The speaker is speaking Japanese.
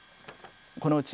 このうち、